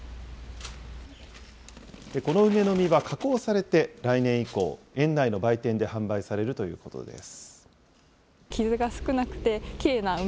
この梅の実は加工されて、来年以降、園内の売店で販売されるということです。